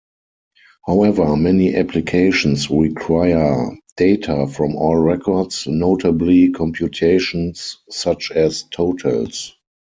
However, many applications require data from all records, notably computations such as totals.